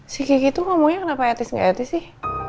si kiki itu ngomongnya kenapa etis nggak etis sih